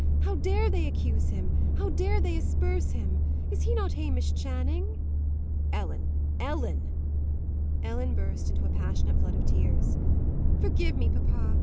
How dare they accuse him! how dare they asperse him? Is he not Hamish Channing?" "Ellen! Ellen!" Ellen burst into a passionate flood of tears. "Forgive me, papa.